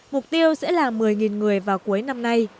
mục tiêu sẽ là một mươi người vào cuối năm nay